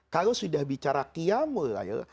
kalau sudah bicara qiyamul lail